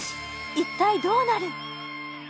一体どうなる？